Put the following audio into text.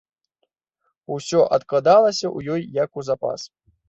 Усё адкладалася ў ёй як у запас.